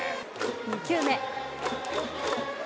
２球目。